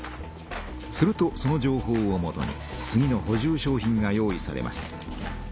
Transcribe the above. するとその情報をもとに次のほじゅう商品が用意されます。